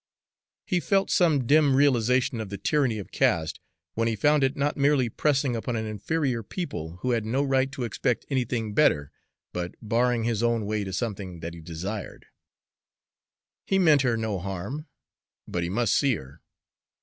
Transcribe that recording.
He felt some dim realization of the tyranny of caste, when he found it not merely pressing upon an inferior people who had no right to expect anything better, but barring his own way to something that he desired. He meant her no harm but he must see her.